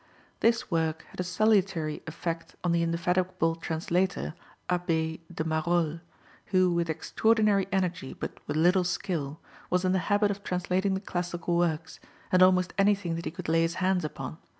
This work had a salutary effect on the indefatigable translator Abbé de Marolles, who with extraordinary energy, but with little skill, was in the habit of translating the classical works, and almost anything that he could lay his hands upon.